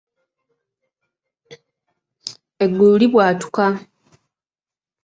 Eggulu libwatuka.